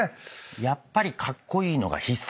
やっぱりカッコイイのが必殺技ね。